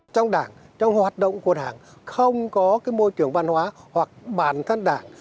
trong đảng trong hoạt động của đảng không có môi trường văn hóa hoặc bản thân đảng